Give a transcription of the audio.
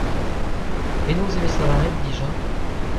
Penaos e vez lavaret dija ?